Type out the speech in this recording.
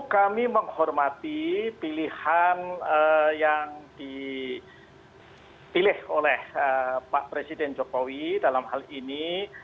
kami menghormati pilihan yang dipilih oleh pak presiden jokowi dalam hal ini